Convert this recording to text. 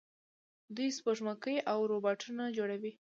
دوی سپوږمکۍ او روباټونه جوړوي.